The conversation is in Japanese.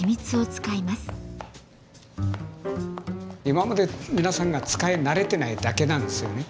今まで皆さんが使い慣れてないだけなんですよね。